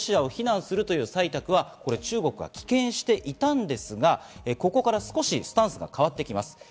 今月２日、国連総会でロシアを非難するという採択は中国は棄権していたんですが、ここから少しスタンスが変わってきます。